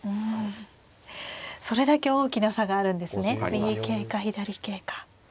右桂か左桂か。